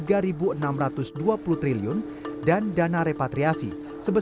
sebagai sebuah perusahaan pemerintahan indonesia telah menerbitkan sejumlah regulasi teknologi ekonomi